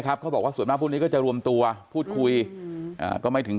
เขาบอกว่าส่วนมากพวกนี้ก็จะรวมตัวพูดคุยก็ไม่ถึง